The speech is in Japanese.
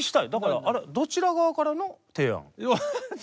だからあれどちら側からの提案？